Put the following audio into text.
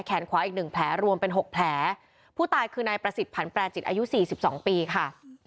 ขวาอีกหนึ่งแผลรวมเป็นหกแผลผู้ตายคือนายประสิทธิผันแปรจิตอายุสี่สิบสองปีค่ะ